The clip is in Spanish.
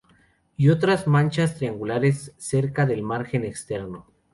Y otras manchas triangulares, cerca del margen externo.